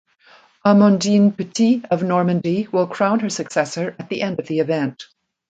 Amandine Petit of Normandy will crown her successor at the end of the event.